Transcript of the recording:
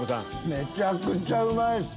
めちゃくちゃうまいです。